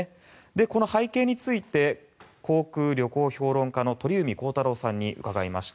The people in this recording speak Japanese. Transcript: この背景について航空・旅行評論家の鳥海高太朗さんに伺いました。